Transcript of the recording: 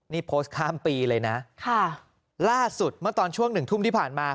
นี่โพสต์ข้ามปีเลยนะค่ะล่าสุดเมื่อตอนช่วงหนึ่งทุ่มที่ผ่านมา